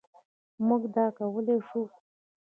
او موږ دا کولی شو.